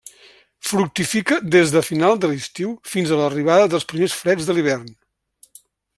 Fructifica des de final de l'estiu, fins a l'arribada dels primers freds de l'hivern.